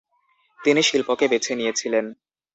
তিনি শিল্পকে বেছে নিয়েছিলেন।